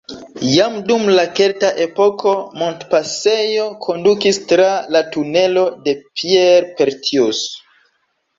Jam dum la kelta epoko montpasejo kondukis tra la tunelo de Pierre-Pertius.